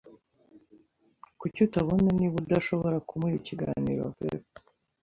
Kuki utabona niba udashobora kumuha ikiganiro pep?